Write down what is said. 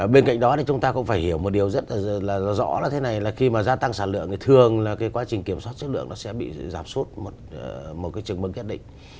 bên cạnh đó thì chúng ta cũng phải hiểu một điều rất là rõ là thế này là khi mà gia tăng sản lượng thì thường là cái quá trình kiểm soát chất lượng nó sẽ bị giảm sút một cái chừng mừng nhất định